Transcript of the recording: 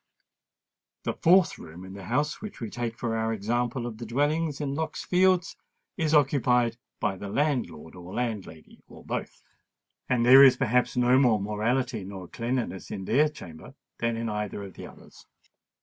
The fourth room in the house which we take for our example of the dwellings in Lock's Fields, is occupied by the landlord or landlady, or both; and there is perhaps no more morality nor cleanliness in their chamber than in either of the others.